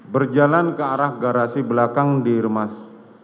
berjalan ke arah garasi belakang di rumah